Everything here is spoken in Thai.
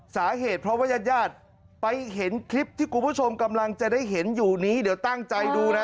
สาเหตุเพราะว่าญาติญาติไปเห็นคลิปที่คุณผู้ชมกำลังจะได้เห็นอยู่นี้เดี๋ยวตั้งใจดูนะ